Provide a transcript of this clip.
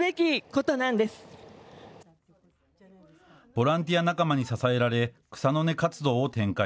ボランティア仲間に支えられ草の根活動を展開。